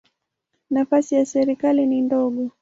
Nafasi ya serikali ni ndogo.